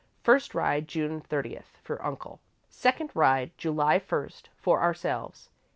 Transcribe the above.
First ride, June thirtieth, for Uncle. Second ride, July first, for ourselves.